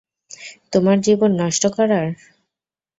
তোমার জীবন নষ্ট করার?